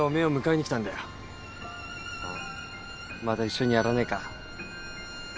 また一緒にやらねえか？